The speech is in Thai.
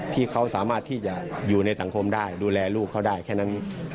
ที่เขาสามารถที่จะอยู่ในสังคมได้ดูแลลูกเขาได้แค่นั้น